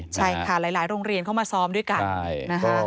ใช่ค่ะหลายโรงเรียนเข้ามาซ้อมด้วยกันนะคะ